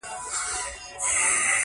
د فقه شریعت پښتو په دې ځای کې تمامه ده.